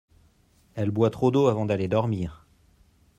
elle boit trop d'eau avant d'aller dormir.